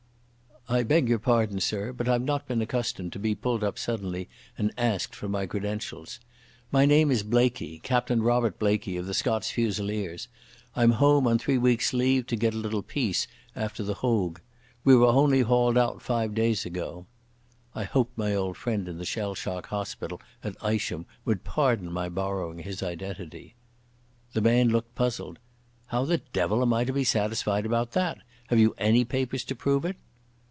"I beg your pardon, sir, but I've not been accustomed to be pulled up suddenly, and asked for my credentials. My name is Blaikie, Captain Robert Blaikie, of the Scots Fusiliers. I'm home on three weeks' leave, to get a little peace after Hooge. We were only hauled out five days ago." I hoped my old friend in the shell shock hospital at Isham would pardon my borrowing his identity. The man looked puzzled. "How the devil am I to be satisfied about that? Have you any papers to prove it?"